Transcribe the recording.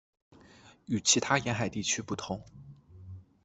与其他沿海地区不同。